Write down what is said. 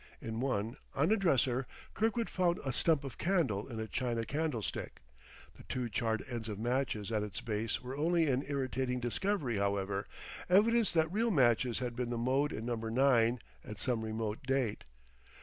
In one, on a dresser, Kirkwood found a stump of candle in a china candlestick; the two charred ends of matches at its base were only an irritating discovery, however evidence that real matches had been the mode in Number 9, at some remote date.